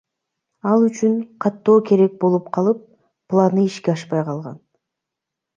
Ал үчүн каттоо керек болуп калып, планы ишке ашпай калган.